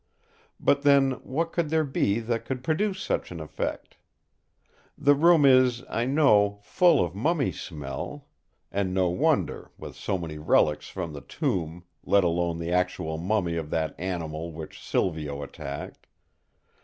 But then, what could there be that could produce such an effect? The room is, I know, full of mummy smell; and no wonder, with so many relics from the tomb, let alone the actual mummy of that animal which Silvio attacked.